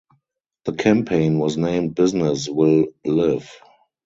The campaign was named Business will Live.